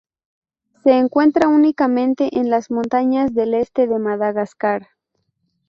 Se encuentra únicamente en las montañas del este de Madagascar.